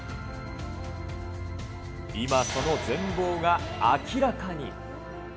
今、その全貌が明らかに。